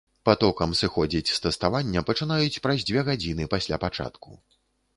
Патокам сыходзіць з тэставання пачынаюць праз дзве гадзіны пасля пачатку.